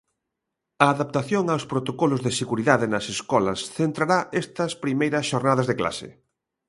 A adaptación aos protocolos de seguridade nas escolas centrará estas primeiras xornadas de clase.